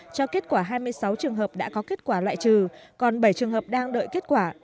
cho kết quả hai mươi sáu trường hợp đã có kết quả loại trừ còn bảy trường hợp đang đợi kết quả